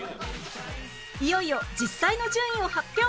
いよいよ実際の順位を発表